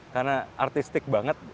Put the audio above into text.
karena artistik banget gitu ya